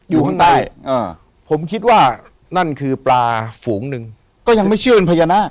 อยู่ข้างใต้อ่าผมคิดว่านั่นคือปลาฝูงหนึ่งก็ยังไม่เชื่อเป็นพญานาค